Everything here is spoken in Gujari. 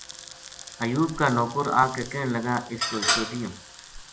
ایوب کا نوکر آ کے کہن لگا اِس کو حصو دیوں